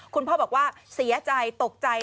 คุณพ่อบอกว่าเสียใจตกใจ